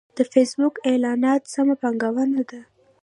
د فېسبوک اعلانات سمه پانګونه ده.